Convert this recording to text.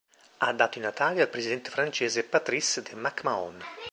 Ha dato i natali al presidente francese Patrice de Mac-Mahon.